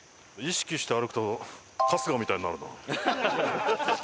意識して歩くと春日みたいになるなあ。